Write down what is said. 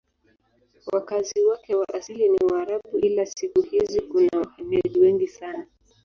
Wakazi wake wa asili ni Waarabu ila siku hizi kuna wahamiaji wengi sana.